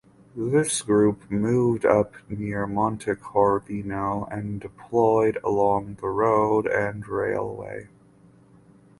This group moved up near Montecorvino and deployed along the road and railway.